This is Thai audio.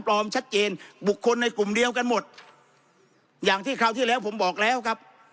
ชัดเจนบุคคลในกลุ่มเดียวกันหมดอย่างที่คราวที่แล้วผมบอกแล้วครับ